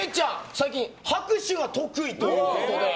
最近、拍手が得意ということで。